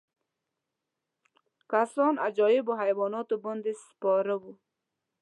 کسان عجیبو حیواناتو باندې سپاره وو.